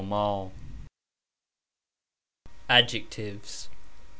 55 ADJECTIVES.